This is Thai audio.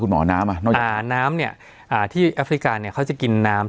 หมอน้ำอ่ะน้ำเนี่ยอ่าที่แอฟริกาเนี่ยเขาจะกินน้ำ